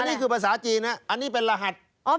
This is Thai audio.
นี่คือภาษาจีนนะอันนี้เป็นรหัส